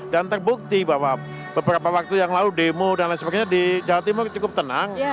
dan terbukti bahwa beberapa waktu yang lalu demo dan lain sebagainya di jawa timur cukup tenang